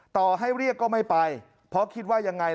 ต่อให้เรียกก็ไม่ไปเพราะคิดว่ายังไง